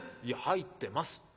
『いや入ってます。